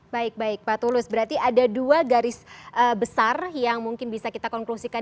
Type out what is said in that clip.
baik baik pak tulus berarti ada dua garis besar yang mungkin bisa kita konklusikan